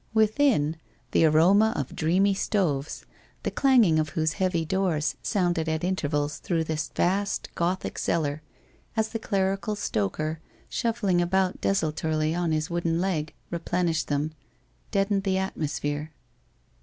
Within, the aroma of dreamy stoves, the clanging of whose heavy doors sounded at in tervals through this vast Gothic cellar, as the clerical stoker, shuffling about desultorily on his wooden leg, replenished them, deadened the atmosphere.